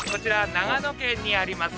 長野県にあります